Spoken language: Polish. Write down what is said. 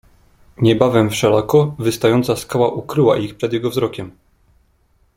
"Niebawem wszelako wystająca skała ukryła ich przed jego wzrokiem."